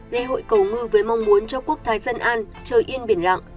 lễ hội cầu ngư với mong muốn cho quốc thái dân an trời yên biển lặng